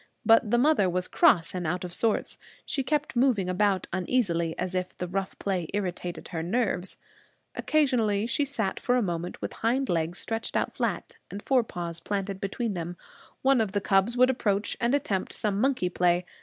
But the mother was cross and out of sorts. She kept moving about uneasily, as if the rough play irritated her nerves. Occasionally, as she sat for a moment with hind legs stretched out flat and fore paws planted between them, one of the cubs would approach and attempt some monkey play.